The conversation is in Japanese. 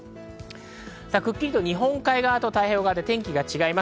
くっきりと日本海側と太平洋側で天気が違います。